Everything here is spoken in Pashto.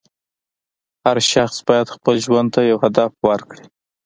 هر شخص باید خپل ژوند ته یو هدف ورکړي.